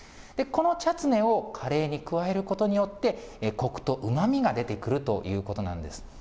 このチャツネをカレーに加えることによって、こくとうまみが出てくるということなんです。